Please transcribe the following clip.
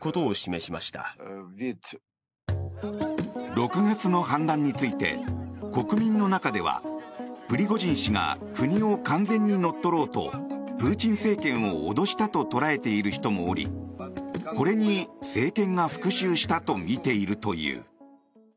６月の反乱について国民の中ではプリゴジン氏が国を完全に乗っ取ろうとプーチン政権を脅したと捉えている人もおりこれに政権が復しゅうしたとみているという。